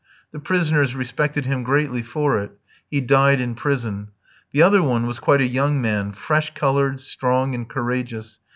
The prisoners respected him greatly for it. He died in prison. The other one was quite a young man, fresh coloured, strong, and courageous.